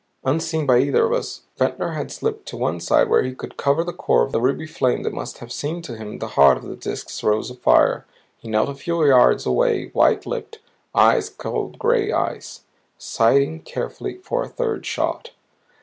Unseen by either of us, Ventnor had slipped to one side where he could cover the core of ruby flame that must have seemed to him the heart of the Disk's rose of fire. He knelt a few yards away, white lipped, eyes cold gray ice, sighting carefully for a third shot.